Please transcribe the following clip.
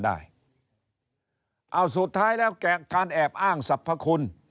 ด้วยการแอบอ้างสรรพคุณ